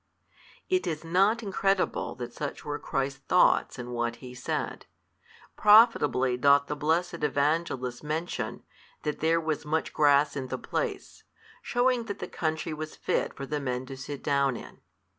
It is not incredible that such were Christ's thoughts in what He said. Profitably doth the blessed Evangelist mention, that there was much grass in the place, shewing that the country was fit for the men to sit down in.